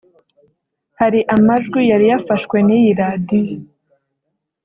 Hari amajwi yari yafashwe n’iyi Radiyo